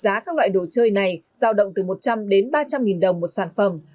giá các loại đồ chơi này giao động từ một trăm linh đến ba trăm linh nghìn đồng một sản phẩm